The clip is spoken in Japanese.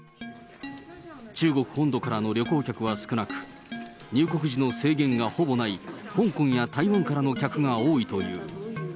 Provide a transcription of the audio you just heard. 中国本土からの旅行客は少なく、入国時の制限がほぼない香港や台湾からの客が多いという。